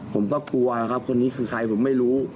ผมก็กลัวนะครับคนนี้คือใครผมไม่รู้